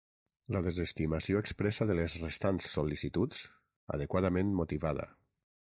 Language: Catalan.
La desestimació expressa de les restants sol·licituds, adequadament motivada.